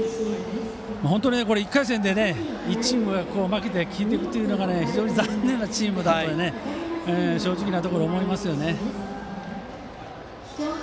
本当に１回戦で１チームが負けて消えていくというのが非常に残念なチームだと正直なところ、思います。